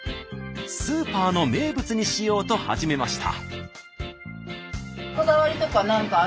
スーパーの名物にしようと始めました。